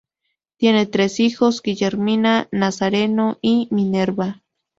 Tiene tres hijos: Guillermina, Nazareno y Minerva.